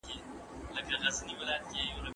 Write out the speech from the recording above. ټولنیز واقعیت د بېلابېلو ډلو په اړیکو جوړېږي.